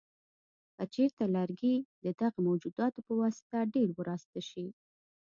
که چېرته لرګي د دغه موجوداتو په واسطه ډېر وراسته شي.